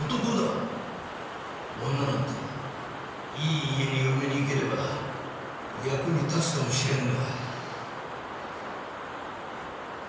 女なんていい家に嫁に行ければ役に立つかもしれんが。